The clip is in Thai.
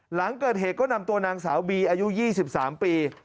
หลังเกิดเหตุก็นำตัวนางสาวบีอายุ๒๓ปี